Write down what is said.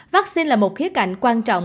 vaccine là một khía cạnh quan trọng